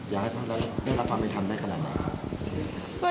อยากให้พ่อได้รับความให้ทำได้ขนาดนั้นหรือ